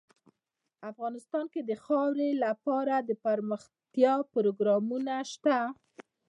افغانستان کې د خاوره لپاره دپرمختیا پروګرامونه شته.